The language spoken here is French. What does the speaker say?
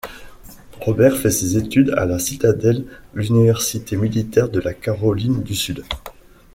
Roberts fait ses études à la Citadel, l'université militaire de la Caroline du Sud.